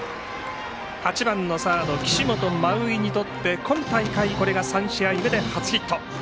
８番のサード、岸本真生にとって今大会これが３試合目で初ヒット。